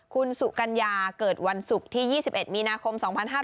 คุณสุกัญญาเกิดวันศุกร์ที่๒๑มีนาคม๒๕๕๙